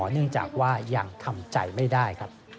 เนื่องจากว่ายังทำใจไม่ได้ครับ